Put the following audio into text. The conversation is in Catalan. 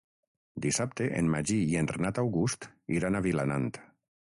Dissabte en Magí i en Renat August iran a Vilanant.